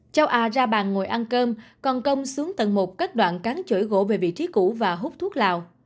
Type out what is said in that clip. cháu a ra bàn ngồi ăn cơm còn công xuống tầng một cắt đoạn cánh chổi gỗ về vị trí cũ và hút thuốc lào